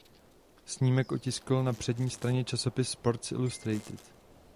Snímek otiskl na přední straně časopis Sports Illustrated.